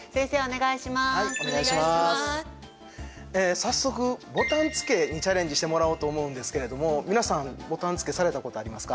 早速ボタン付けにチャレンジしてもらおうと思うんですけれども皆さんボタン付けされたことありますか？